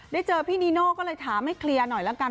เจอพี่นีโน่ก็เลยถามให้เคลียร์หน่อยละกัน